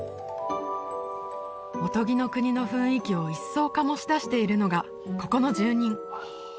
おとぎの国の雰囲気をいっそう醸し出しているのがここの住人